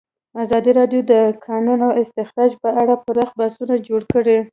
ازادي راډیو د د کانونو استخراج په اړه پراخ بحثونه جوړ کړي.